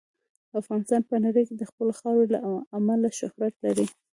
افغانستان په نړۍ کې د خپلې خاورې له امله شهرت لري.